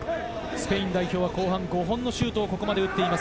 スペイン代表は後半５本のシュートを打っています。